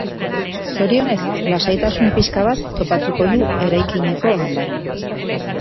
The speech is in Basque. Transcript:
Zorionez, lasaitasun pixka bat topatuko du eraikineko ganbaran.